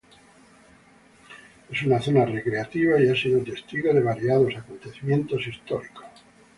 Es una zona recreativa y ha sido testigo de variados acontecimientos históricos.